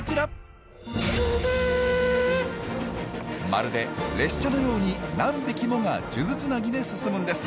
まるで列車のように何匹もが数珠つなぎで進むんです。